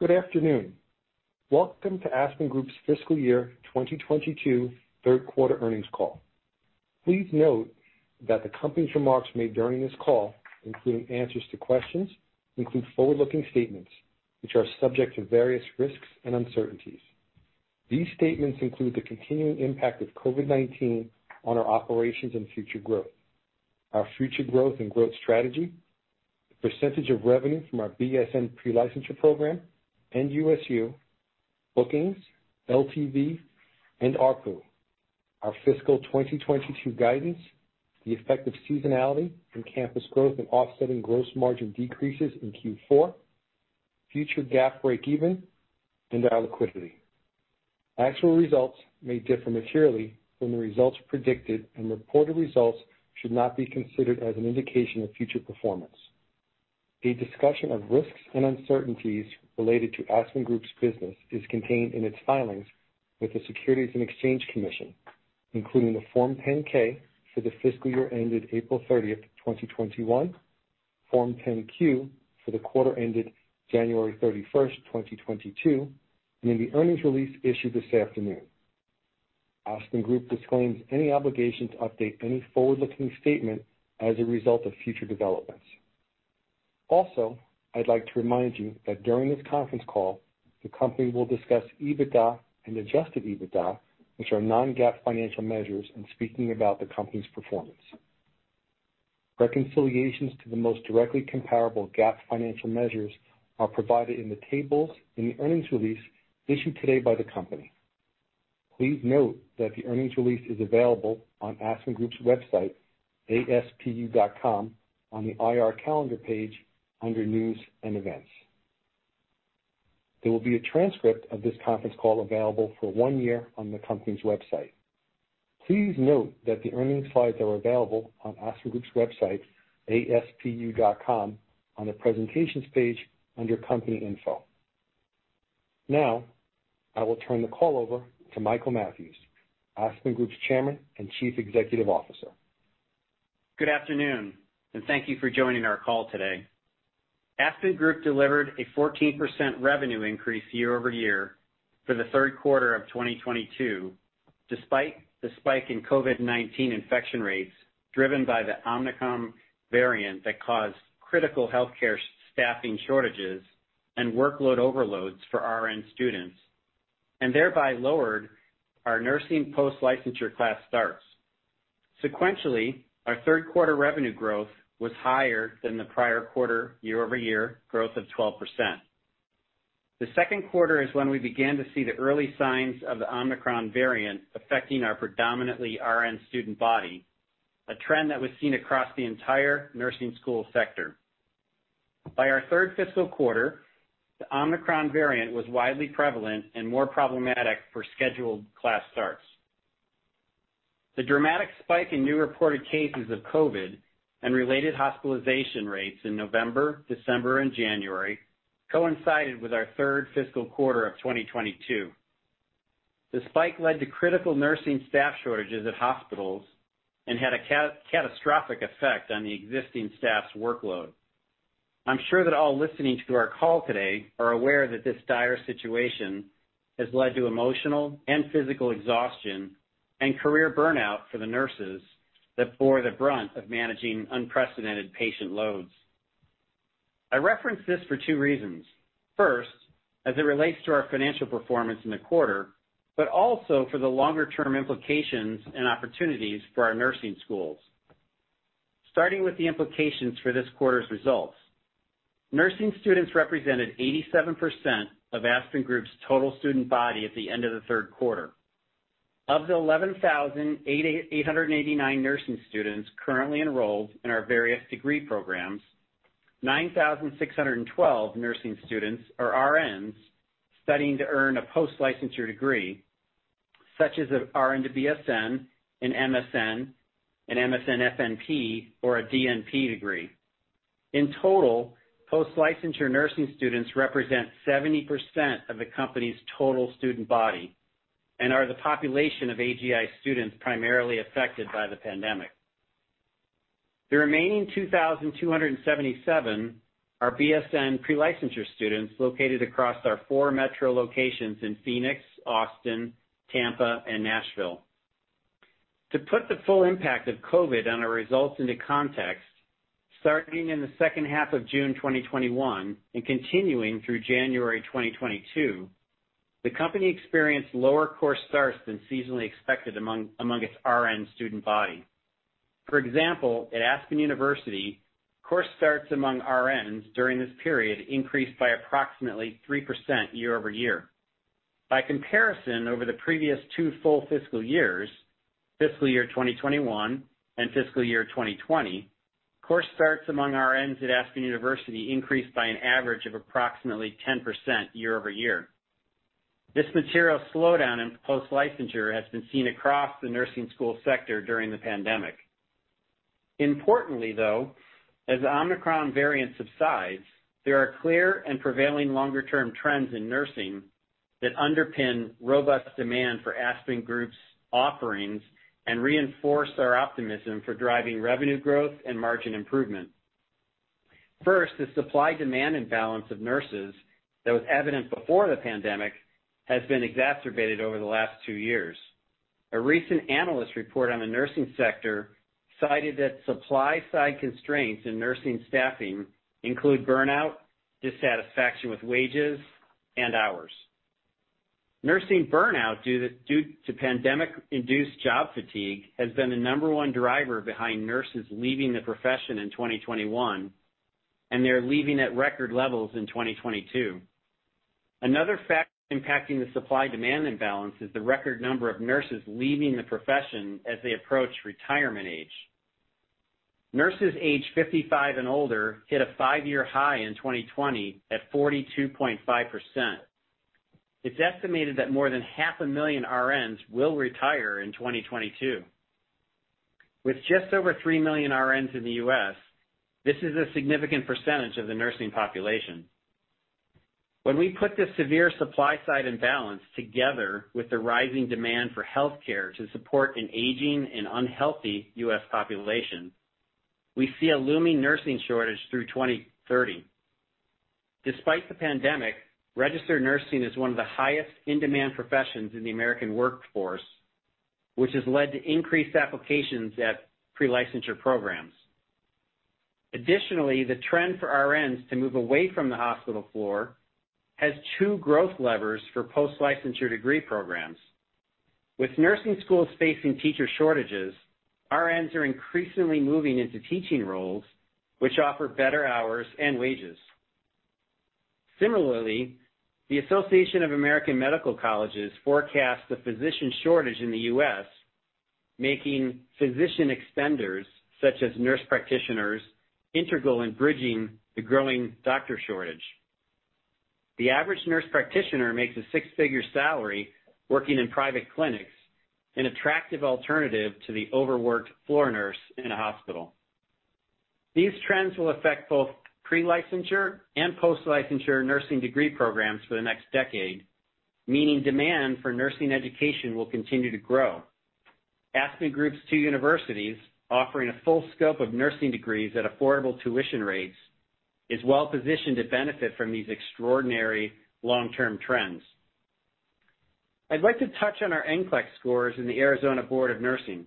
Good afternoon. Welcome to Aspen Group's fiscal year 2022 third quarter earnings call. Please note that the company's remarks made during this call, including answers to questions, include forward-looking statements which are subject to various risks and uncertainties. These statements include the continuing impact of COVID-19 on our operations and future growth, our future growth and growth strategy, the percentage of revenue from our BSN pre-licensure program and USU, bookings, LTV, and ARPU, our fiscal 2022 guidance, the effect of seasonality and campus growth in offsetting gross margin decreases in Q4, future GAAP breakeven, and our liquidity. Actual results may differ materially from the results predicted, and reported results should not be considered as an indication of future performance. A discussion of risks and uncertainties related to Aspen Group's business is contained in its filings with the Securities and Exchange Commission, including the Form 10-K for the fiscal year ended April 30, 2021, Form 10-Q for the quarter ended January 31, 2022, and in the earnings release issued this afternoon. Aspen Group disclaims any obligation to update any forward-looking statement as a result of future developments. Also, I'd like to remind you that during this conference call, the company will discuss EBITDA and adjusted EBITDA, which are non-GAAP financial measures, in speaking about the company's performance. Reconciliations to the most directly comparable GAAP financial measures are provided in the tables in the earnings release issued today by the company. Please note that the earnings release is available on Aspen Group's website, aspu.com, on the IR Calendar page under News & Events. There will be a transcript of this conference call available for one year on the company's website. Please note that the earnings slides are available on Aspen Group's website, aspu.com, on the Presentations page under Company Info. Now, I will turn the call over to Michael Mathews, Aspen Group's Chairman and Chief Executive Officer. Good afternoon, and thank you for joining our call today. Aspen Group delivered a 14% revenue increase year-over-year for the third quarter of 2022, despite the spike in COVID-19 infection rates driven by the Omicron variant that caused critical healthcare staffing shortages and workload overloads for RN students, and thereby lowered our nursing post-licensure class starts. Sequentially, our third quarter revenue growth was higher than the prior quarter year-over-year growth of 12%. The second quarter is when we began to see the early signs of the Omicron variant affecting our predominantly RN student body, a trend that was seen across the entire nursing school sector. By our third fiscal quarter, the Omicron variant was widely prevalent and more problematic for scheduled class starts. The dramatic spike in new reported cases of COVID and related hospitalization rates in November, December, and January coincided with our third fiscal quarter of 2022. The spike led to critical nursing staff shortages at hospitals and had a catastrophic effect on the existing staff's workload. I'm sure that all listening to our call today are aware that this dire situation has led to emotional and physical exhaustion and career burnout for the nurses that bore the brunt of managing unprecedented patient loads. I reference this for two reasons. First, as it relates to our financial performance in the quarter, but also for the longer-term implications and opportunities for our nursing schools. Starting with the implications for this quarter's results, nursing students represented 87% of Aspen Group's total student body at the end of the third quarter. Of the 11,889 nursing students currently enrolled in our various degree programs, 9,612 nursing students are RNs studying to earn a post-licensure degree, such as an RN to BSN, an MSN, an MSN-FNP, or a DNP degree. In total, post-licensure nursing students represent 70% of the company's total student body and are the population of AGI students primarily affected by the pandemic. The remaining 2,277 are BSN pre-licensure students located across our four metro locations in Phoenix, Austin, Tampa, and Nashville. To put the full impact of COVID on our results into context, starting in the second half of June 2021 and continuing through January 2022, the company experienced lower course starts than seasonally expected among its RN student body. For example, at Aspen University, course starts among RNs during this period increased by approximately 3% year-over-year. By comparison, over the previous two full fiscal years, fiscal year 2021 and fiscal year 2020, course starts among RNs at Aspen University increased by an average of approximately 10% year-over-year. This material slowdown in post-licensure has been seen across the nursing school sector during the pandemic. Importantly, though, as the Omicron variant subsides, there are clear and prevailing longer-term trends in nursing that underpin robust demand for Aspen Group's offerings and reinforce our optimism for driving revenue growth and margin improvement. First, the supply-demand imbalance of nurses that was evident before the pandemic has been exacerbated over the last two years. A recent analyst report on the nursing sector cited that supply-side constraints in nursing staffing include burnout, dissatisfaction with wages, and hours. Nursing burnout due to pandemic-induced job fatigue has been the number one driver behind nurses leaving the profession in 2021, and they're leaving at record levels in 2022. Another factor impacting the supply-demand imbalance is the record number of nurses leaving the profession as they approach retirement age. Nurses aged 55 and older hit a five-year high in 2020 at 42.5%. It's estimated that more than 500,000 RNs will retire in 2022. With just over three million RNs in the U.S., this is a significant percentage of the nursing population. When we put this severe supply-side imbalance together with the rising demand for healthcare to support an aging and unhealthy U.S. population, we see a looming nursing shortage through 2030. Despite the pandemic, registered nursing is one of the highest in-demand professions in the American workforce, which has led to increased applications at pre-licensure programs. Additionally, the trend for RNs to move away from the hospital floor has two growth levers for post-licensure degree programs. With nursing schools facing teacher shortages, RNs are increasingly moving into teaching roles which offer better hours and wages. Similarly, the Association of American Medical Colleges forecasts a physician shortage in the U.S., making physician extenders, such as nurse practitioners, integral in bridging the growing doctor shortage. The average nurse practitioner makes a six-figure salary working in private clinics, an attractive alternative to the overworked floor nurse in a hospital. These trends will affect both pre-licensure and post-licensure nursing degree programs for the next decade, meaning demand for nursing education will continue to grow. Aspen Group's two universities, offering a full scope of nursing degrees at affordable tuition rates, is well-positioned to benefit from these extraordinary long-term trends. I'd like to touch on our NCLEX scores in the Arizona State Board of Nursing.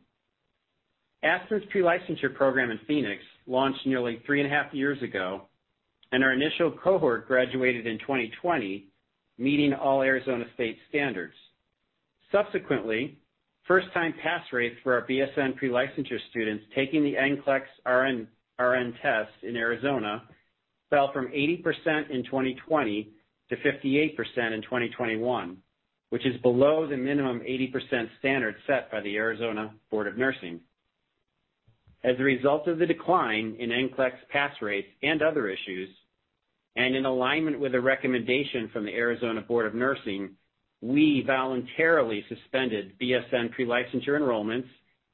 Aspen's pre-licensure program in Phoenix launched nearly 3.5 years ago, and our initial cohort graduated in 2020, meeting all Arizona State standards. Subsequently, first-time pass rates for our BSN pre-licensure students taking the NCLEX-RN test in Arizona fell from 80% in 2020 to 58% in 2021, which is below the minimum 80% standard set by the Arizona State Board of Nursing. As a result of the decline in NCLEX pass rates and other issues, and in alignment with a recommendation from the Arizona Board of Nursing, we voluntarily suspended BSN pre-licensure enrollments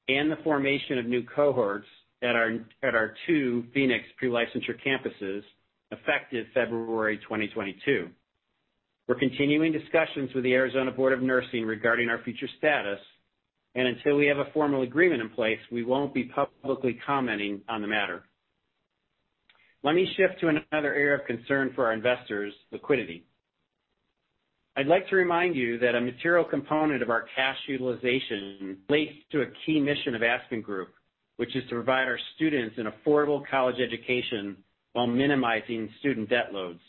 and the formation of new cohorts at our two Phoenix pre-licensure campuses effective February 2022. We're continuing discussions with the Arizona Board of Nursing regarding our future status, and until we have a formal agreement in place, we won't be publicly commenting on the matter. Let me shift to another area of concern for our investors: liquidity. I'd like to remind you that a material component of our cash utilization relates to a key mission of Aspen Group, which is to provide our students an affordable college education while minimizing student debt loads.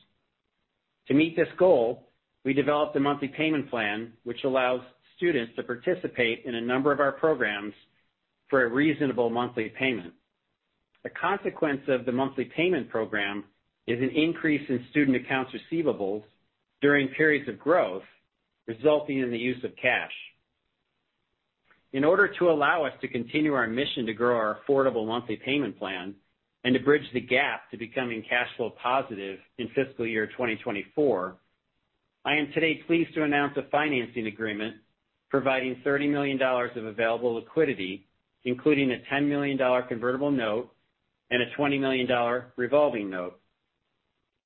To meet this goal, we developed a monthly payment plan which allows students to participate in a number of our programs for a reasonable monthly payment. The consequence of the monthly payment program is an increase in student accounts receivables during periods of growth, resulting in the use of cash. In order to allow us to continue our mission to grow our affordable monthly payment plan and to bridge the gap to becoming cash flow positive in fiscal year 2024, I am today pleased to announce a financing agreement providing $30 million of available liquidity, including a $10 million convertible note and a $20 million revolving note.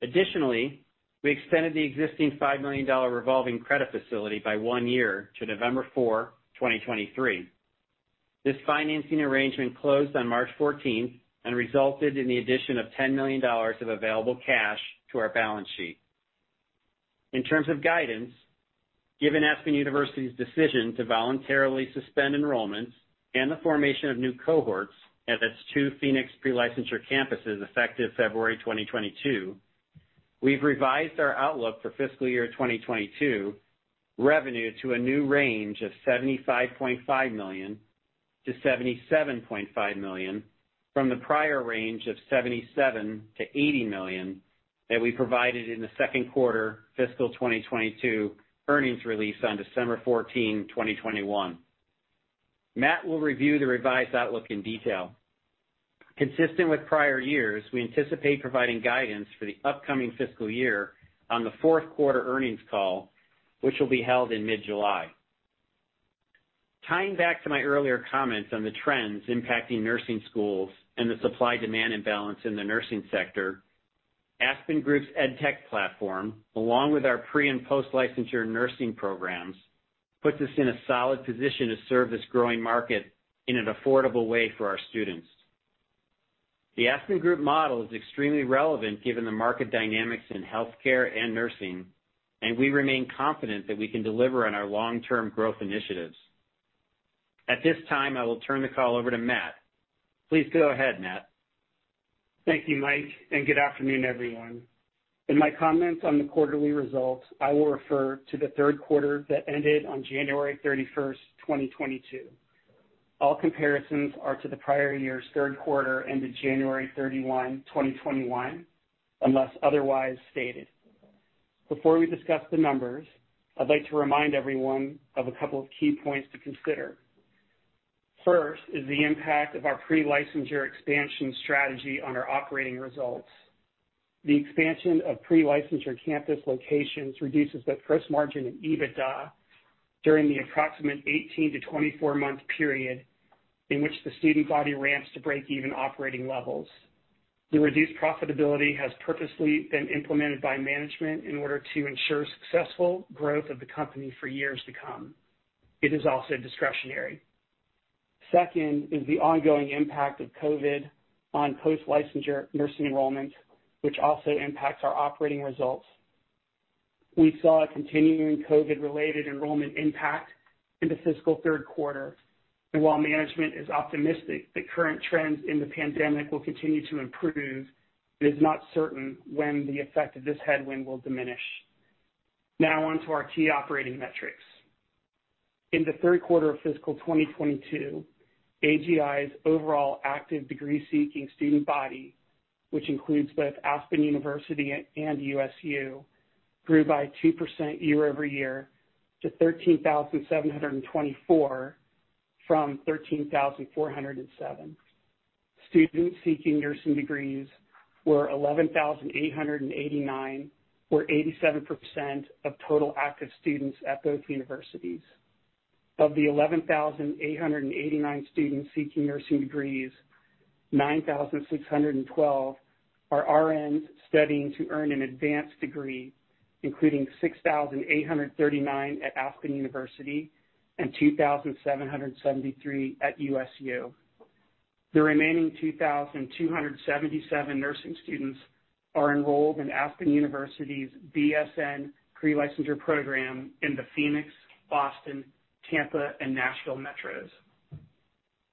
Additionally, we extended the existing $5 million revolving credit facility by one year to November 4, 2023. This financing arrangement closed on March 14th and resulted in the addition of $10 million of available cash to our balance sheet. In terms of guidance, given Aspen University's decision to voluntarily suspend enrollments and the formation of new cohorts at its two Phoenix pre-licensure campuses effective February 2022, we've revised our outlook for fiscal year 2022 revenue to a new range of $75.5 million-$77.5 million from the prior range of $77 million-$80 million that we provided in the second quarter fiscal 2022 earnings release on December 14, 2021. Matt will review the revised outlook in detail. Consistent with prior years, we anticipate providing guidance for the upcoming fiscal year on the fourth quarter earnings call, which will be held in mid-July. Tying back to my earlier comments on the trends impacting nursing schools and the supply-demand imbalance in the nursing sector, Aspen Group's ed tech platform, along with our pre and post-licensure nursing programs, puts us in a solid position to serve this growing market in an affordable way for our students. The Aspen Group model is extremely relevant given the market dynamics in healthcare and nursing, and we remain confident that we can deliver on our long-term growth initiatives. At this time, I will turn the call over to Matt. Please go ahead, Matt. Thank you, Mike, and good afternoon, everyone. In my comments on the quarterly results, I will refer to the third quarter that ended on January 31st, 2022. All comparisons are to the prior year's third quarter ended January 31, 2021, unless otherwise stated. Before we discuss the numbers, I'd like to remind everyone of a couple of key points to consider. First is the impact of our pre-licensure expansion strategy on our operating results. The expansion of pre-licensure campus locations reduces the gross margin in EBITDA during the approximate 18- to 24-month period in which the student body ramps to break even operating levels. The reduced profitability has purposely been implemented by management in order to ensure successful growth of the company for years to come. It is also discretionary. Second is the ongoing impact of COVID on post-licensure nursing enrollment, which also impacts our operating results. We saw a continuing COVID-related enrollment impact in the fiscal third quarter. While management is optimistic the current trends in the pandemic will continue to improve, it is not certain when the effect of this headwind will diminish. Now on to our key operating metrics. In the third quarter of fiscal 2022, AGI's overall active degree-seeking student body, which includes both Aspen University and USU, grew by 2% year-over-year to 13,724 from 13,407. Students seeking nursing degrees were 11,889, or 87% of total active students at both universities. Of the 11,889 students seeking nursing degrees, 9,612 are RNs studying to earn an advanced degree, including 6,839 at Aspen University and 2,773 at USU. The remaining 2,277 nursing students are enrolled in Aspen University's BSN pre-licensure program in the Phoenix, Boston, Tampa, and Nashville metros.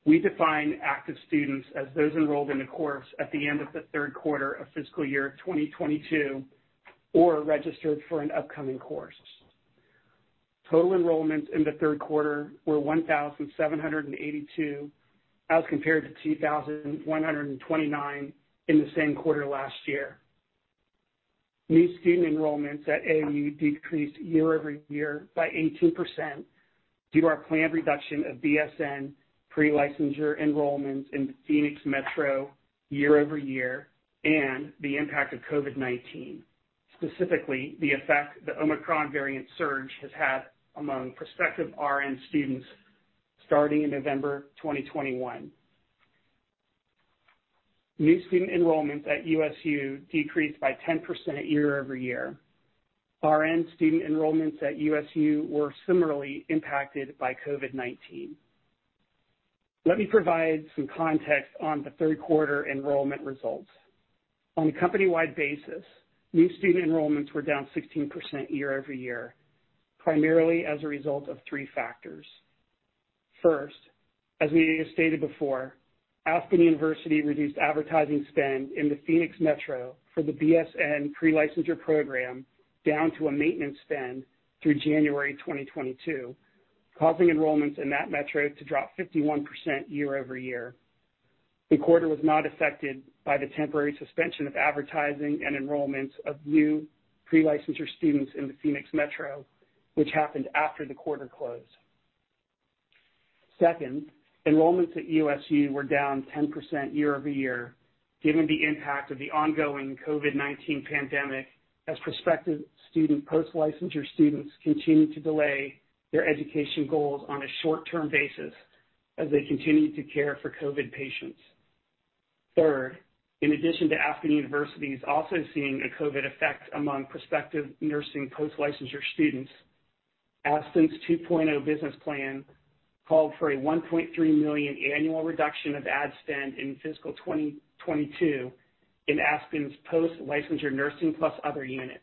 We define active students as those enrolled in a course at the end of the third quarter of fiscal year 2022 or registered for an upcoming course. Total enrollments in the third quarter were 1,782, as compared to 2,129 in the same quarter last year. New student enrollments at AU decreased year-over-year by 18% due to our planned reduction of BSN pre-licensure enrollments in the Phoenix metro year-over-year and the impact of COVID-19, specifically the effect the Omicron variant surge has had among prospective RN students starting in November 2021. New student enrollments at USU decreased by 10% year-over-year. RN student enrollments at USU were similarly impacted by COVID-19. Let me provide some context on the third quarter enrollment results. On a company-wide basis, new student enrollments were down 16% year-over-year, primarily as a result of three factors. First, as we stated before, Aspen University reduced advertising spend in the Phoenix metro for the BSN pre-licensure program down to a maintenance spend through January 2022, causing enrollments in that metro to drop 51% year-over-year. The quarter was not affected by the temporary suspension of advertising and enrollments of new pre-licensure students in the Phoenix metro, which happened after the quarter closed. Second, enrollments at USU were down 10% year-over-year, given the impact of the ongoing COVID-19 pandemic as prospective post-licensure students continued to delay their education goals on a short-term basis as they continued to care for COVID patients. Third, in addition to Aspen University's also seeing a COVID effect among prospective nursing post-licensure students, Aspen 2.0 business plan called for a $1.3 million annual reduction of ad spend in FY 2022 in Aspen's Nursing + Other unit.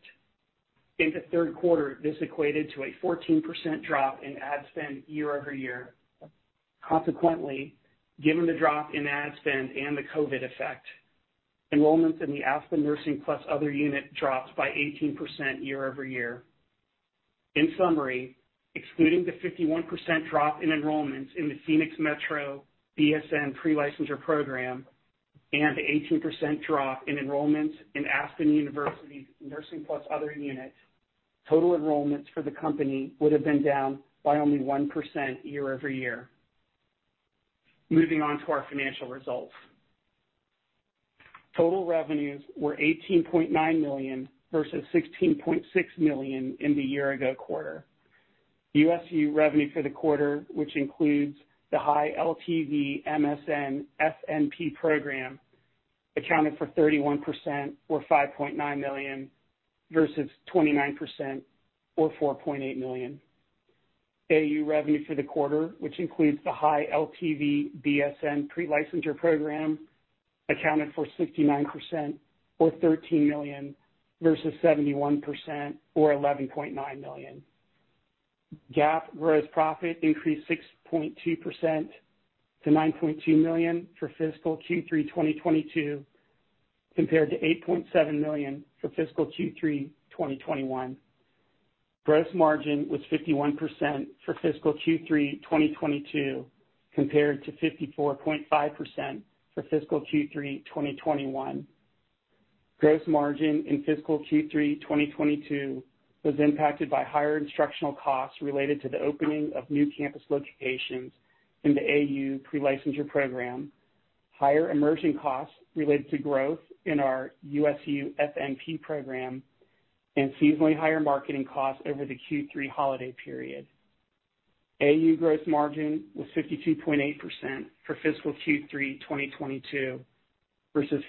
In the third quarter, this equated to a 14% drop in ad spend year-over-year. Consequently, given the drop in ad spend and the COVID effect, enrollments in the Aspen Nursing + Other unit dropped by 18% year-over-year. In summary, excluding the 51% drop in enrollments in the Phoenix metro BSN pre-licensure program and the 18% drop in enrollments in Aspen University's Nursing + Other unit, total enrollments for the company would have been down by only 1% year-over-year. Moving on to our financial results. Total revenues were $18.9 million versus $16.6 million in the year-ago quarter. USU revenue for the quarter, which includes the high LTV MSN-FNP program, accounted for 31% or $5.9 million versus 29% or $4.8 million. AU revenue for the quarter, which includes the high LTV BSN pre-licensure program, accounted for 69% or $13 million versus 71% or $11.9 million. GAAP gross profit increased 6.2% to $9.2 million for fiscal Q3 2022 compared to $8.7 million for fiscal Q3 2021. Gross margin was 51% for fiscal Q3 2022 compared to 54.5% for fiscal Q3 2021. Gross margin in fiscal Q3 2022 was impacted by higher instructional costs related to the opening of new campus locations in the AU pre-licensure program, higher immersion costs related to growth in our USU FNP program, and seasonally higher marketing costs over the Q3 holiday period. AU gross margin was 52.8% for fiscal Q3 2022 versus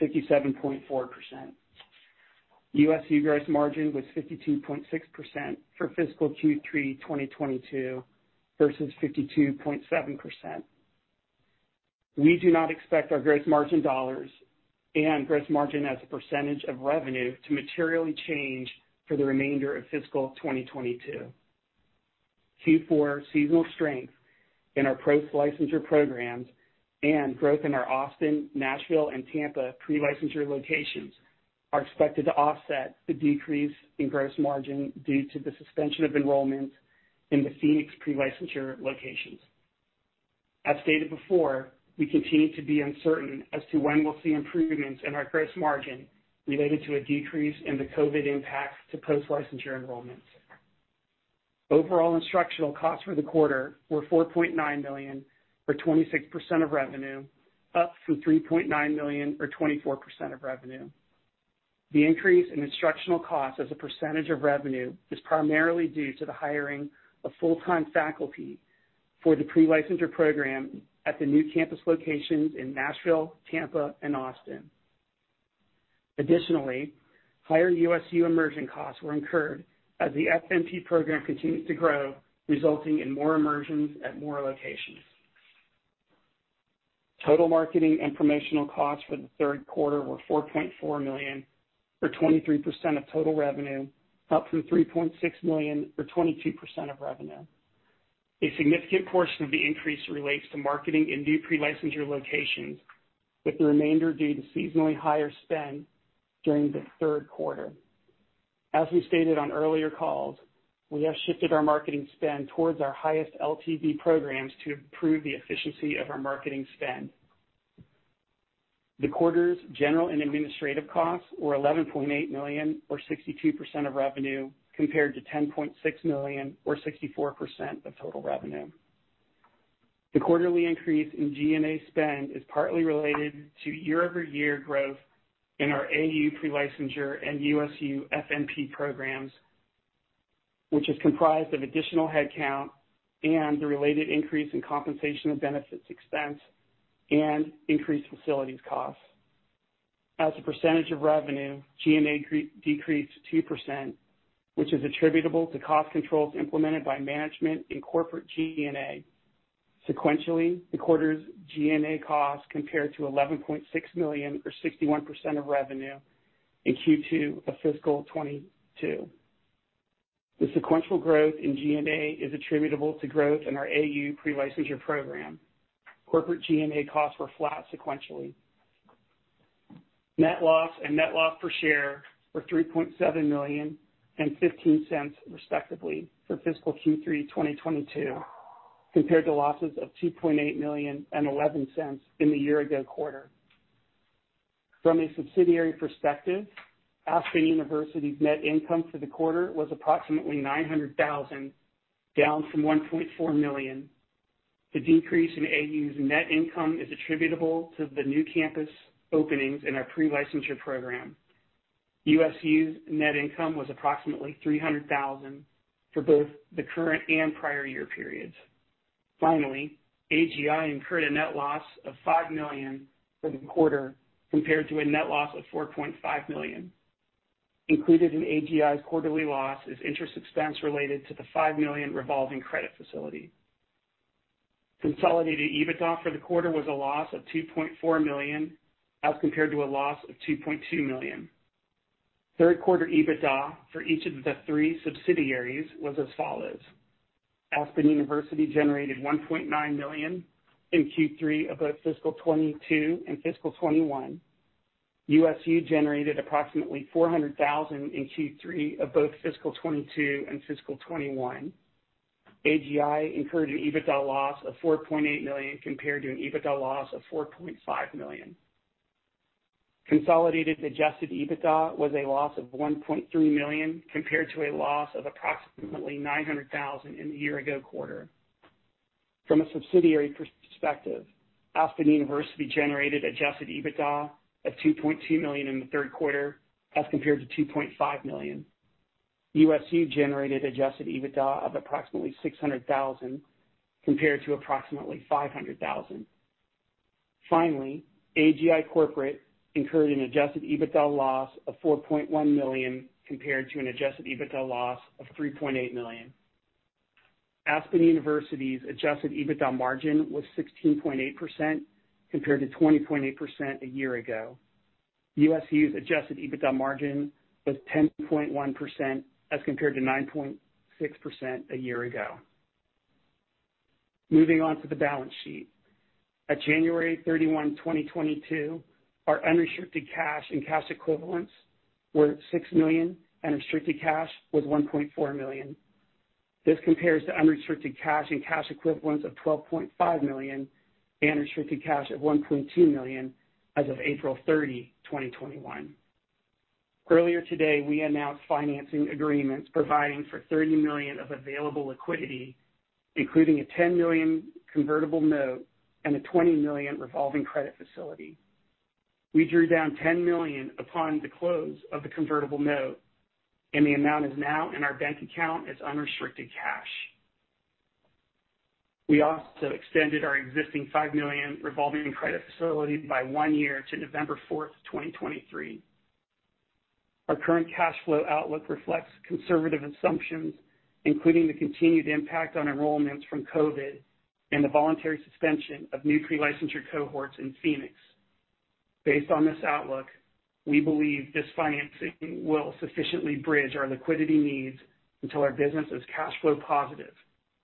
57.4%. USU gross margin was 52.6% for fiscal Q3 2022 versus 52.7%. We do not expect our gross margin dollars and gross margin as a percentage of revenue to materially change for the remainder of fiscal 2022. Q4 seasonal strength in our post-licensure programs and growth in our Austin, Nashville, and Tampa pre-licensure locations are expected to offset the decrease in gross margin due to the suspension of enrollments in the Phoenix pre-licensure locations. As stated before, we continue to be uncertain as to when we'll see improvements in our gross margin related to a decrease in the COVID impact to post-licensure enrollments. Overall instructional costs for the quarter were $4.9 million or 26% of revenue, up from $3.9 million or 24% of revenue. The increase in instructional costs as a percentage of revenue is primarily due to the hiring of full-time faculty for the pre-licensure program at the new campus locations in Nashville, Tampa, and Austin. Additionally, higher USU immersion costs were incurred as the FNP program continues to grow, resulting in more immersions at more locations. Total marketing and promotional costs for the third quarter were $4.4 million or 23% of total revenue, up from $3.6 million or 22% of revenue. A significant portion of the increase relates to marketing in new pre-licensure locations, with the remainder due to seasonally higher spend during the third quarter. As we stated on earlier calls, we have shifted our marketing spend towards our highest LTV programs to improve the efficiency of our marketing spend. The quarter's general and administrative costs were $11.8 million or 62% of revenue, compared to $10.6 million or 64% of total revenue. The quarterly increase in G&A spend is partly related to year-over-year growth in our AU pre-licensure and USU FNP programs, which is comprised of additional headcount and the related increase in compensation and benefits expense and increased facilities costs. As a percentage of revenue, G&A decreased 2%, which is attributable to cost controls implemented by management in corporate G&A. Sequentially, the quarter's G&A costs compared to $11.6 million or 61% of revenue in Q2 of fiscal 2022. The sequential growth in G&A is attributable to growth in our AU pre-licensure program. Corporate G&A costs were flat sequentially. Net loss and net loss per share were $3.7 million and $0.15, respectively, for fiscal Q3 2022, compared to losses of $2.8 million and $0.11 in the year ago quarter. From a subsidiary perspective, Aspen University's net income for the quarter was approximately $900,000, down from $1.4 million. The decrease in AU's net income is attributable to the new campus openings in our pre-licensure program. USU's net income was approximately $300,000 for both the current and prior year periods. Finally, AGI incurred a net loss of $5 million for the quarter compared to a net loss of $4.5 million. Included in AGI's quarterly loss is interest expense related to the $5 million revolving credit facility. Consolidated EBITDA for the quarter was a loss of $2.4 million as compared to a loss of $2.2 million. Third quarter EBITDA for each of the three subsidiaries was as follows: Aspen University generated $1.9 million in Q3 of both fiscal 2022 and fiscal 2021. USU generated approximately $400 thousand in Q3 of both fiscal 2022 and fiscal 2021. AGI incurred an EBITDA loss of $4.8 million compared to an EBITDA loss of $4.5 million. Consolidated adjusted EBITDA was a loss of $1.3 million compared to a loss of approximately $900 thousand in the year-ago quarter. From a subsidiary perspective, Aspen University generated adjusted EBITDA of $2.2 million in the third quarter as compared to $2.5 million. USU generated adjusted EBITDA of approximately $600 thousand compared to approximately $500 thousand. Finally, Aspen Group, Inc. incurred an adjusted EBITDA loss of $4.1 million compared to an adjusted EBITDA loss of $3.8 million. Aspen University's adjusted EBITDA margin was 16.8% compared to 20.8% a year ago. USU's adjusted EBITDA margin was 10.1% as compared to 9.6% a year ago. Moving on to the balance sheet. At January 31, 2022, our unrestricted cash and cash equivalents were $6 million, and restricted cash was $1.4 million. This compares to unrestricted cash and cash equivalents of $12.5 million and restricted cash of $1.2 million as of April 30, 2021. Earlier today, we announced financing agreements providing for $30 million of available liquidity, including a $10 million convertible note and a $20 million revolving credit facility. We drew down $10 million upon the close of the convertible note, and the amount is now in our bank account as unrestricted cash. We also extended our existing $5 million revolving credit facility by one year to November 4, 2023. Our current cash flow outlook reflects conservative assumptions, including the continued impact on enrollments from COVID and the voluntary suspension of new pre-licensure cohorts in Phoenix. Based on this outlook, we believe this financing will sufficiently bridge our liquidity needs until our business is cash flow positive,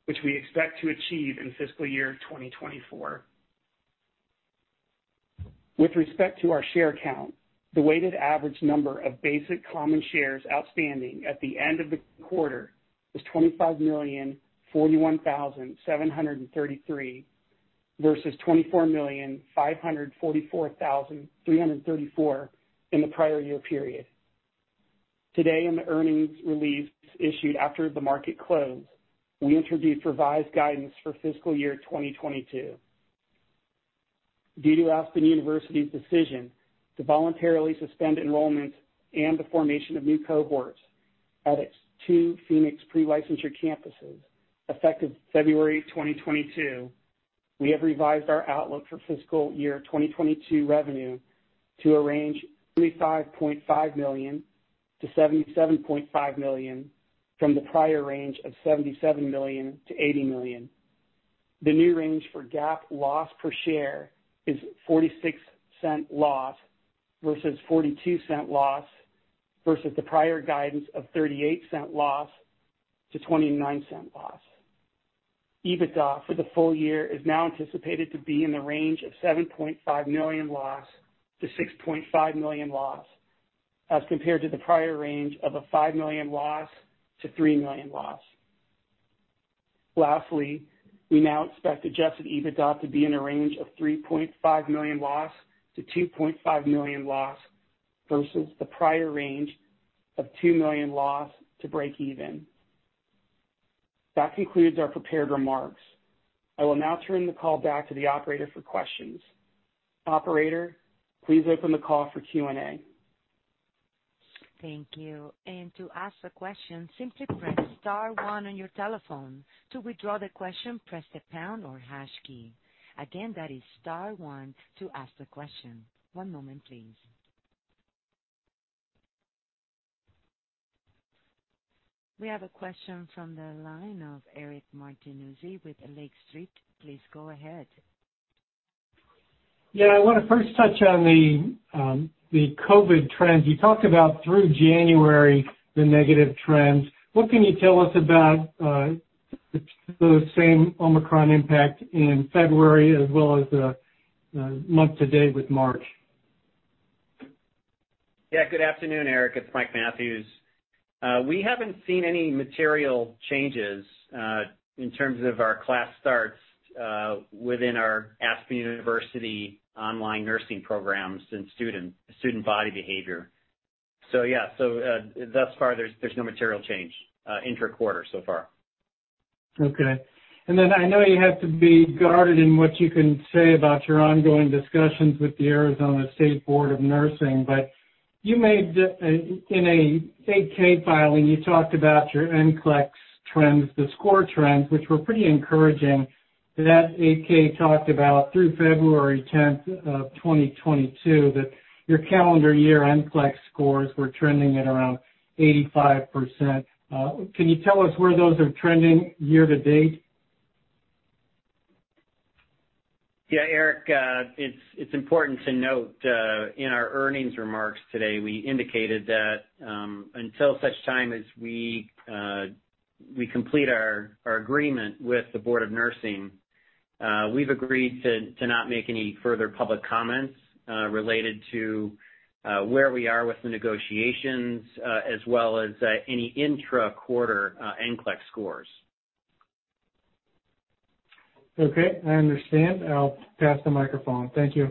which we expect to achieve in fiscal year 2024. With respect to our share count, the weighted average number of basic common shares outstanding at the end of the quarter was 25,041,733 versus 24,544,334 in the prior year period. Today, in the earnings release issued after the market closed, we introduced revised guidance for fiscal year 2022. Due to Aspen University's decision to voluntarily suspend enrollment and the formation of new cohorts at its two Phoenix pre-licensure campuses effective February 2022, we have revised our outlook for fiscal year 2022 revenue to a range of $35.5 million-$77.5 million from the prior range of $77 million-$80 million. The new range for GAAP loss per share is 46-cent loss versus 42-cent loss versus the prior guidance of 38-cent loss to 29-cent loss. EBITDA for the full year is now anticipated to be in the range of $7.5 million loss-$6.5 million loss, as compared to the prior range of a $5 million loss to $3 million loss. Lastly, we now expect adjusted EBITDA to be in a range of -$3.5 million to -$2.5 million versus the prior range of -$2 million to breakeven. That concludes our prepared remarks. I will now turn the call back to the operator for questions. Operator, please open the call for Q&A. We have a question from the line of Eric Martinuzzi with Lake Street. Please go ahead. Yeah. I wanna first touch on the COVID trends. You talked about through January, the negative trends. What can you tell us about the same Omicron impact in February as well as the month to date with March? Yeah, good afternoon, Eric. It's Mike Mathews. We haven't seen any material changes in terms of our class starts within our Aspen University online nursing programs and student body behavior. Thus far there's no material change intra-quarter so far. Okay. Then I know you have to be guarded in what you can say about your ongoing discussions with the Arizona State Board of Nursing, but you made—In a Form 8-K filing, you talked about your NCLEX trends, the score trends, which were pretty encouraging. That Form 8-K talked about through February tenth of 2022 that your calendar year NCLEX scores were trending at around 85%. Can you tell us where those are trending year to date? Yeah, Eric, it's important to note in our earnings remarks today, we indicated that until such time as we complete our agreement with the Board of Nursing, we've agreed to not make any further public comments related to where we are with the negotiations, as well as any intra-quarter NCLEX scores. Okay, I understand. I'll pass the microphone. Thank you.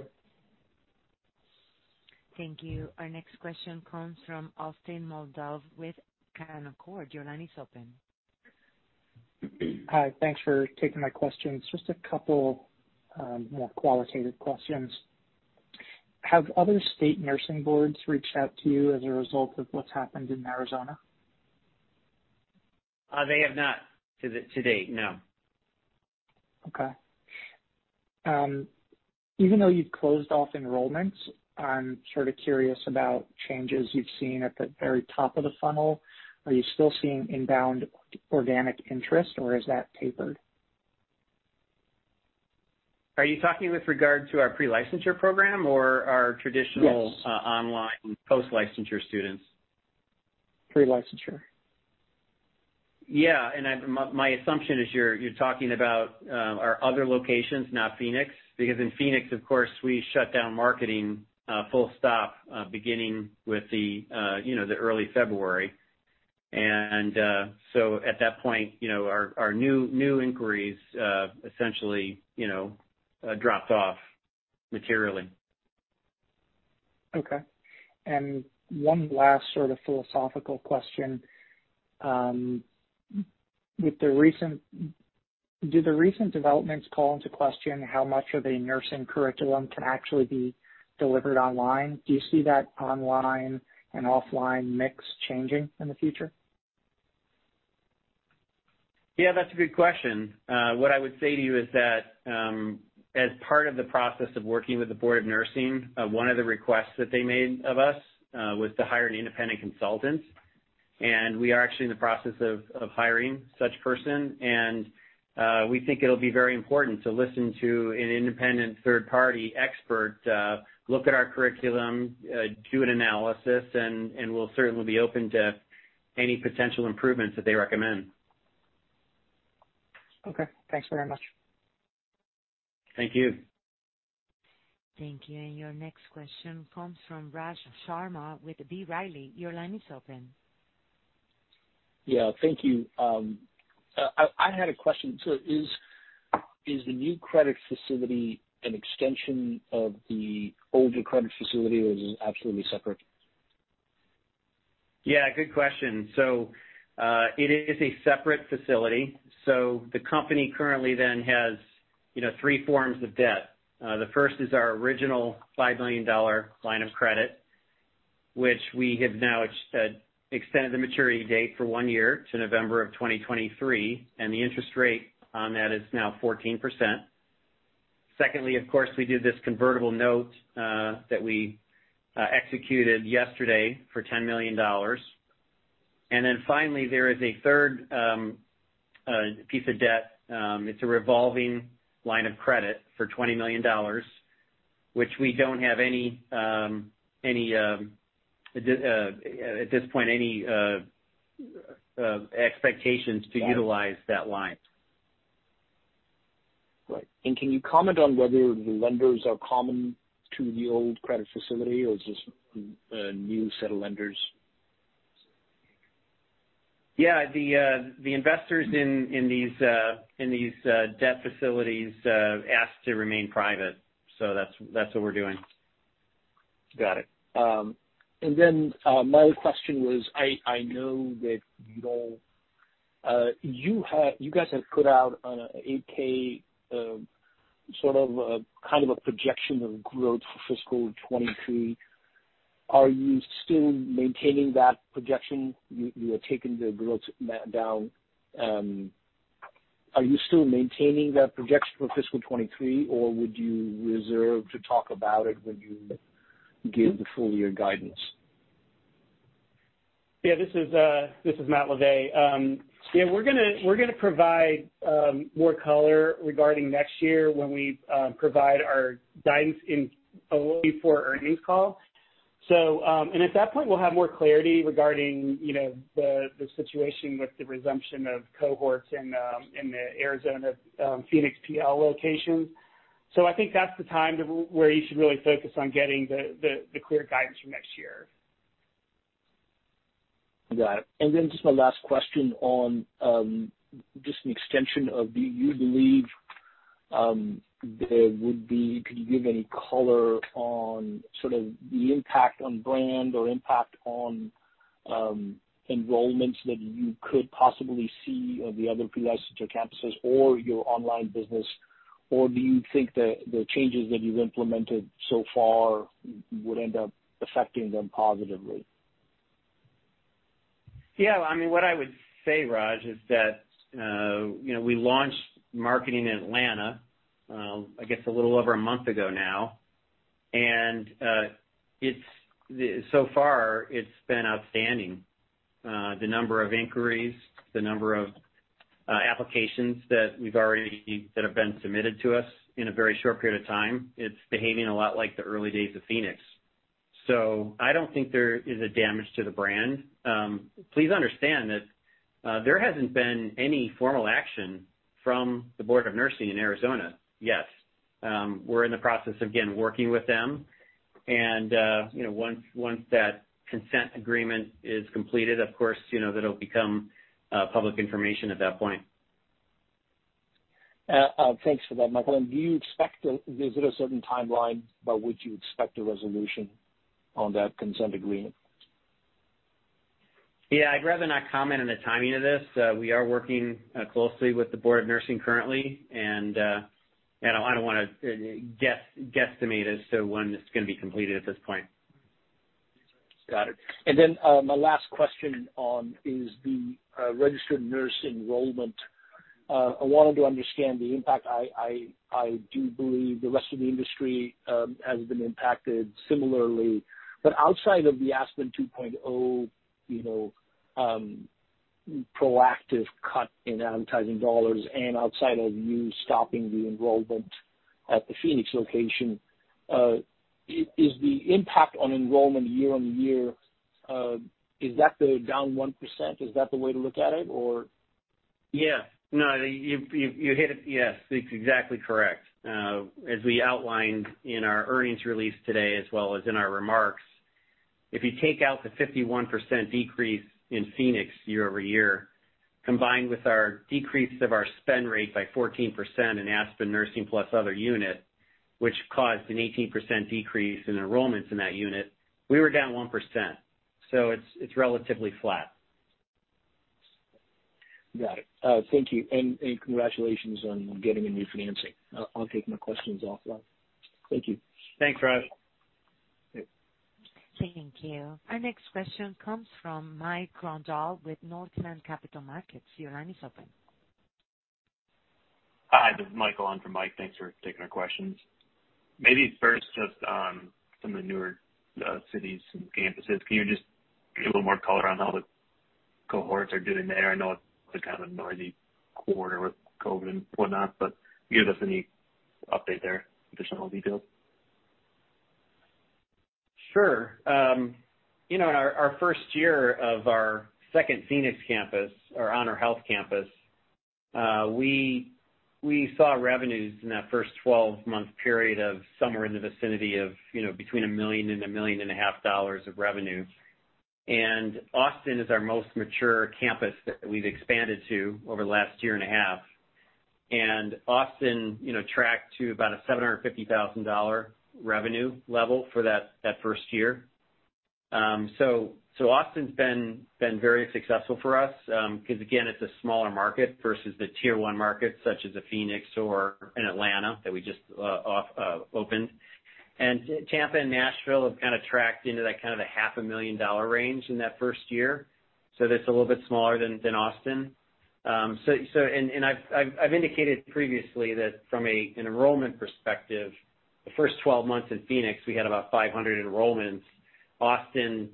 Thank you. Our next question comes from Austin Moldow with Canaccord. Your line is open. Hi. Thanks for taking my questions. Just a couple more qualitative questions. Have other state nursing boards reached out to you as a result of what's happened in Arizona? They have not to date, no. Okay. Even though you've closed off enrollments, I'm sort of curious about changes you've seen at the very top of the funnel. Are you still seeing inbound organic interest, or has that tapered? Are you talking with regard to our pre-licensure program or our traditional? Yes. Online post-licensure students? Pre-licensure. Yeah. My assumption is you're talking about our other locations, not Phoenix. Because in Phoenix, of course, we shut down marketing full stop beginning with the you know the early February. At that point, you know, our new inquiries essentially you know dropped off materially. Okay. One last sort of philosophical question. Do the recent developments call into question how much of a nursing curriculum can actually be delivered online? Do you see that online and offline mix changing in the future? Yeah, that's a good question. What I would say to you is that, as part of the process of working with the Board of Nursing, one of the requests that they made of us was to hire an independent consultant. We are actually in the process of hiring such person. We think it'll be very important to listen to an independent third party expert, look at our curriculum, do an analysis, and we'll certainly be open to any potential improvements that they recommend. Okay. Thanks very much. Thank you. Thank you. Your next question comes from Raj Sharma with B. Riley. Your line is open. Yeah. Thank you. I had a question. Is the new credit facility an extension of the older credit facility, or is it absolutely separate? Yeah, good question. It is a separate facility. The company currently has, you know, three forms of debt. The first is our original $5 million line of credit, which we have now extended the maturity date for one year to November of 2023, and the interest rate on that is now 14%. Secondly, of course, we did this convertible note that we executed yesterday for $10 million. Finally, there is a third piece of debt. It is a revolving line of credit for $20 million, which we don't have any at this point expectations to utilize that line. Right. Can you comment on whether the lenders are common to the old credit facility or is this a new set of lenders? Yeah. The investors in these debt facilities asked to remain private, so that's what we're doing. Got it. Then my other question was I know that you guys have put out on an 8-K sort of a kind of a projection of growth for fiscal 2023. Are you still maintaining that projection? You are taking the growth down. Are you still maintaining that projection for fiscal 2023, or would you prefer to talk about it when you give the full year guidance? Yeah, this is Matthew LaVay. Yeah, we're gonna provide more color regarding next year when we provide our guidance in a before earnings call. At that point, we'll have more clarity regarding, you know, the situation with the resumption of cohorts in the Arizona Phoenix PL locations. I think that's the time where you should really focus on getting the clear guidance for next year. Got it. Just my last question on just an extension of Could you give any color on sort of the impact on brand or impact on enrollments that you could possibly see on the other pre-licensure campuses or your online business? Or do you think the changes that you've implemented so far would end up affecting them positively? Yeah. I mean, what I would say, Raj, is that, you know, we launched marketing in Atlanta, I guess a little over a month ago now. It's so far been outstanding. The number of inquiries, the number of applications that have been submitted to us in a very short period of time, it's behaving a lot like the early days of Phoenix. I don't think there is a damage to the brand. Please understand that, there hasn't been any formal action from the Board of Nursing in Arizona yet. We're in the process of, again, working with them and, you know, once that consent agreement is completed, of course, you know, that'll become public information at that point. Thanks for that, Michael. Is there a certain timeline by which you expect a resolution on that consent agreement? Yeah. I'd rather not comment on the timing of this. We are working closely with the Board of Nursing currently, and I don't wanna guesstimate as to when it's gonna be completed at this point. Got it. Then my last question on the registered nurse enrollment. I wanted to understand the impact. I do believe the rest of the industry has been impacted similarly. Outside of the Aspen 2.0 proactive cut in advertising dollars and outside of you stopping the enrollment at the Phoenix location, is the impact on enrollment year-over-year the down 1%, is that the way to look at it or? Yeah. No, you've hit it. Yes, that's exactly correct. As we outlined in our earnings release today as well as in our remarks, if you take out the 51% decrease in Phoenix year over year, combined with our decrease of our spend rate by 14% in Nursing + Other units, which caused an 18% decrease in enrollments in that unit, we were down 1%. It's relatively flat. Got it. Thank you. Congratulations on getting a new financing. I'll take my questions offline. Thank you. Thanks, Raj. Okay. Thank you. Our next question comes from Mike Grondahl with Northland Capital Markets. Your line is open. Hi, this is Mike Grondahl. Mike, thanks for taking our questions. Maybe first just some of the newer cities and campuses. Can you just give a little more color on how the cohorts are doing there? I know it's been kind of a noisy quarter with COVID and whatnot, but can you give us any update there, additional details? Sure. You know, our first year of our second Phoenix campus, our HonorHealth campus, we saw revenues in that first twelve-month period of somewhere in the vicinity of, you know, between $1 million-$1.5 million of revenue. Austin is our most mature campus that we've expanded to over the last year and a half. Austin, you know, tracked to about a $750,000 revenue level for that first year. So, Austin's been very successful for us, 'cause again, it's a smaller market versus the tier one markets such as a Phoenix or an Atlanta that we just opened. Tampa and Nashville have kinda tracked into that kind of a half a million dollar range in that first year. That's a little bit smaller than Austin. I've indicated previously that from an enrollment perspective, the first 12 months in Phoenix, we had about 500 enrollments. Austin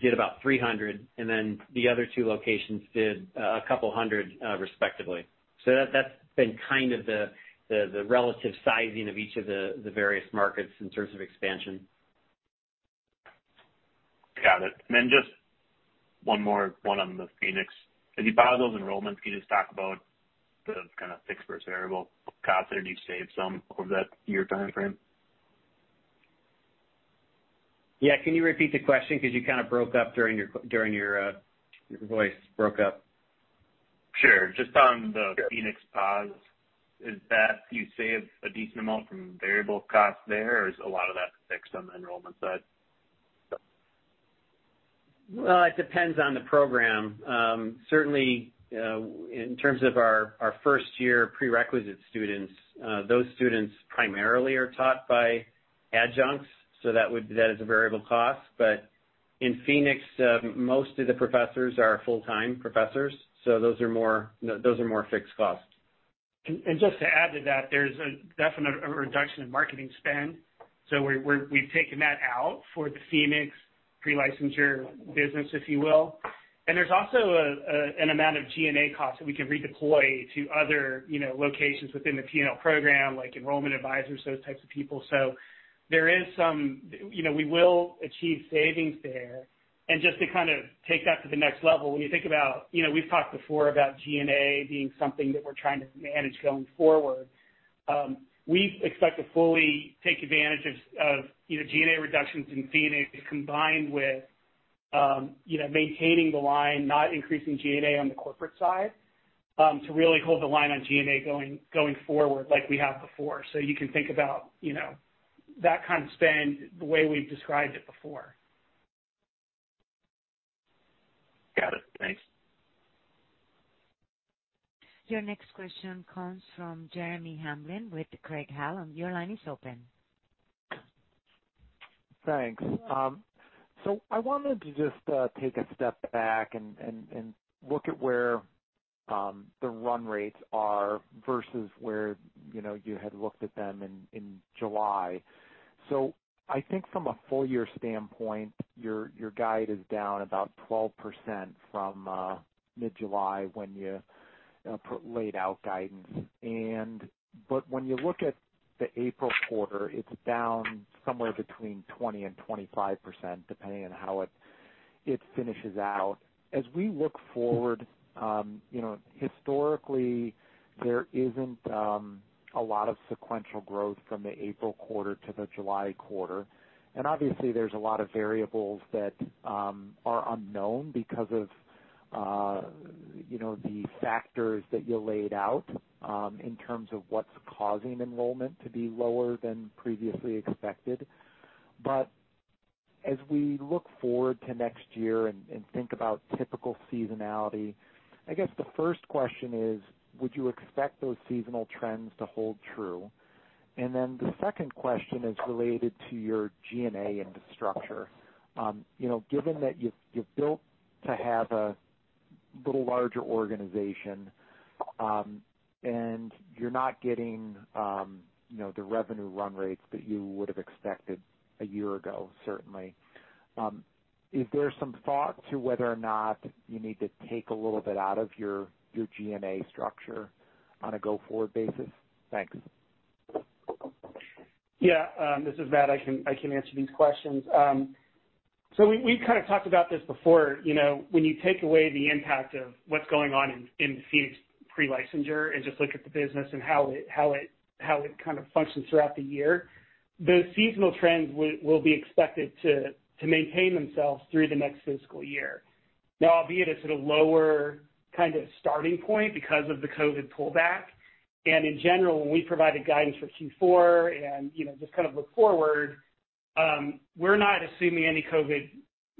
did about 300, and then the other two locations did 200, respectively. That's been kind of the relative sizing of each of the various markets in terms of expansion. Got it. Just one more on the Phoenix. As you file those enrollments, can you just talk about the kinda fixed versus variable costs there? Do you save some over that year timeframe? Yeah. Can you repeat the question? 'Cause you kinda broke up during your voice broke up. Sure. Just on the Phoenix pause, is that you save a decent amount from variable costs there, or is a lot of that fixed on the enrollment side? Well, it depends on the program. Certainly, in terms of our first-year prerequisite students, those students primarily are taught by adjuncts, so that is a variable cost. In Phoenix, most of the professors are full-time professors, so those are more fixed costs. Just to add to that, there's a definite reduction in marketing spend. We've taken that out for the Phoenix pre-licensure business, if you will. There's also an amount of G&A costs that we can redeploy to other, you know, locations within the P&L program, like enrollment advisors, those types of people. There is some. You know, we will achieve savings there. Just to kind of take that to the next level, when you think about, you know, we've talked before about G&A being something that we're trying to manage going forward. We expect to fully take advantage of you know, G&A reductions in Phoenix combined with you know, maintaining the line, not increasing G&A on the corporate side to really hold the line on G&A going forward like we have before. You can think about, you know, that kind of spend the way we've described it before. Got it. Thanks. Your next question comes from Jeremy Hamblin with Craig-Hallum. Your line is open. Thanks. I wanted to just take a step back and look at where the run rates are versus where, you know, you had looked at them in July. I think from a full year standpoint, your guide is down about 12% from mid-July when you laid out guidance. But when you look at the April quarter, it's down somewhere between 20%-25%, depending on how it finishes out. As we look forward, you know, historically there isn't a lot of sequential growth from the April quarter to the July quarter. Obviously there's a lot of variables that are unknown because of, you know, the factors that you laid out in terms of what's causing enrollment to be lower than previously expected. As we look forward to next year and think about typical seasonality, I guess the first question is, would you expect those seasonal trends to hold true? Then the second question is related to your G&A and the structure. You know, given that you've built to have a little larger organization, and you're not getting, you know, the revenue run rates that you would have expected a year ago, certainly, is there some thought to whether or not you need to take a little bit out of your G&A structure on a go-forward basis? Thanks. Yeah. This is Matt. I can answer these questions. We kind of talked about this before. You know, when you take away the impact of what's going on in Phoenix pre-licensure and just look at the business and how it kind of functions throughout the year, those seasonal trends will be expected to maintain themselves through the next fiscal year. Now, albeit at a sort of lower kind of starting point because of the COVID pullback, and in general, when we provided guidance for Q4 and you know, just kind of look forward, we're not assuming any COVID,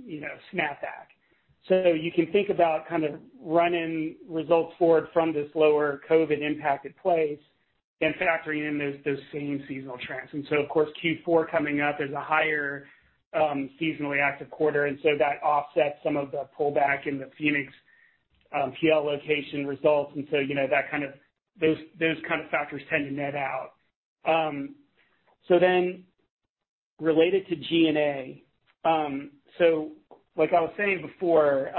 you know, snapback. You can think about kind of running results forward from this lower COVID impacted place and factoring in those same seasonal trends. Of course, Q4 coming up is a higher, seasonally active quarter, and so that offsets some of the pullback in the Phoenix, PL location results. You know, those kind of factors tend to net out. Related to G&A, like I was saying before,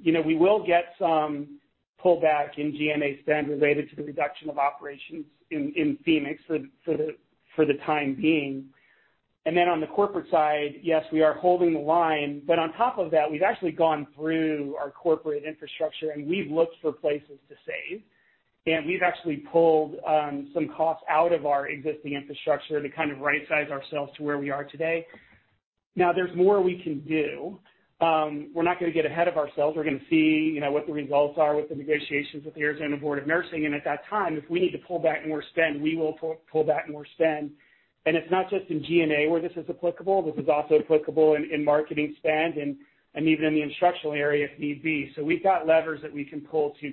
you know, we will get some pullback in G&A spend related to the reduction of operations in Phoenix for the time being. On the corporate side, yes, we are holding the line, but on top of that, we've actually gone through our corporate infrastructure, and we've looked for places to save. We've actually pulled some costs out of our existing infrastructure to kind of right-size ourselves to where we are today. Now, there's more we can do. We're not gonna get ahead of ourselves. We're gonna see, you know, what the results are with the negotiations with the Arizona State Board of Nursing. At that time, if we need to pull back more spend, we will pull back more spend. It's not just in G&A where this is applicable. This is also applicable in marketing spend and even in the instructional area if need be. We've got levers that we can pull to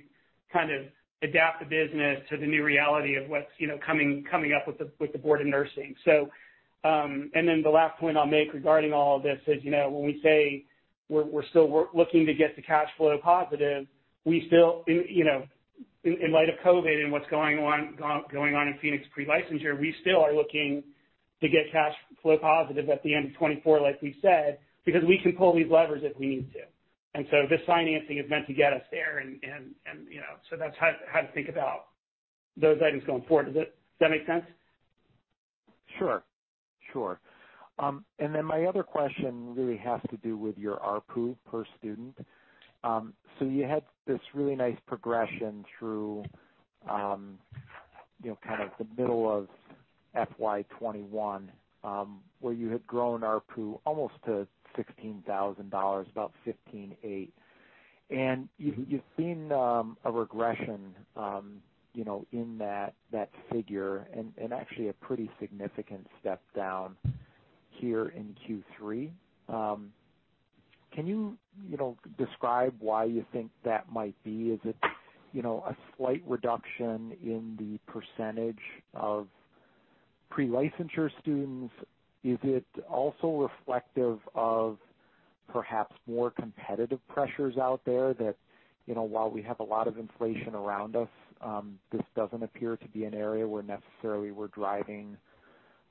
kind of adapt the business to the new reality of what's, you know, coming up with the board of nursing. The last point I'll make regarding all of this is, you know, when we say we're still looking to get to cash flow positive, we still. You know, in light of COVID and what's going on, going on in Phoenix pre-licensure, we still are looking to get cash flow positive at the end of 2024, like we said, because we can pull these levers if we need to. This financing is meant to get us there and you know. That's how to think about those items going forward. Does that make sense? Sure. Then my other question really has to do with your ARPU per student. You had this really nice progression through, you know, kind of the middle of FY 2021, where you had grown ARPU almost to $16,000, about $15,800. You've seen a regression, you know, in that figure and actually a pretty significant step down here in Q3. Can you know, describe why you think that might be? Is it, you know, a slight reduction in the percentage of pre-licensure students? Is it also reflective of perhaps more competitive pressures out there that, you know, while we have a lot of inflation around us, this doesn't appear to be an area where necessarily we're driving,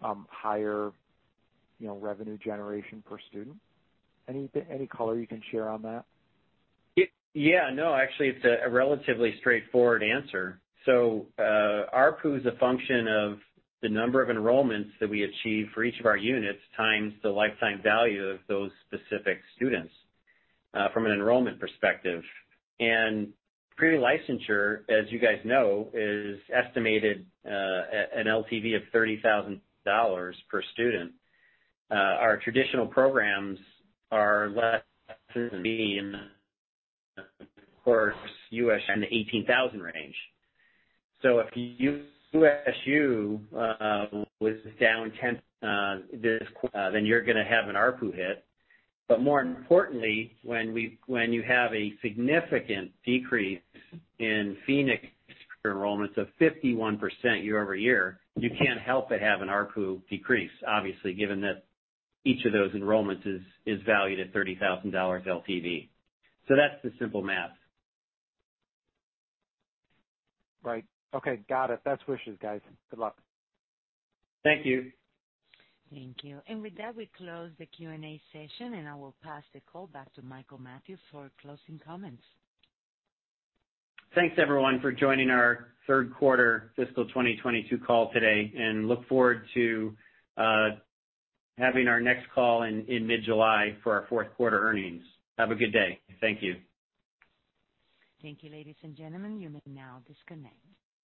you know, revenue generation per student? Any color you can share on that? Actually, it's a relatively straightforward answer. ARPU is a function of the number of enrollments that we achieve for each of our units times the lifetime value of those specific students from an enrollment perspective. Pre-licensure, as you guys know, is estimated an LTV of $30,000 per student. Our traditional programs are less than that, being of course USU in the $18,000 range. If USU was down 10%, then you're gonna have an ARPU hit. But more importantly, when you have a significant decrease in Phoenix enrollments of 51% year-over-year, you can't help but have an ARPU decrease, obviously, given that each of those enrollments is valued at $30,000 LTV. That's the simple math. Right. Okay. Got it. Best wishes, guys. Good luck. Thank you. Thank you. With that, we close the Q&A session, and I will pass the call back to Michael Mathews for closing comments. Thanks, everyone, for joining our third quarter fiscal 2022 call today, and we look forward to having our next call in mid-July for our fourth quarter earnings. Have a good day. Thank you. Thank you, ladies and gentlemen. You may now disconnect.